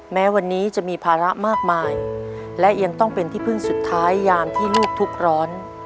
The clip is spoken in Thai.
แม้วันนี้จะมีภาระมากมายและยังต้องเป็นที่พึ่งสุดท้ายยามที่ลูกทุกข์ร้อน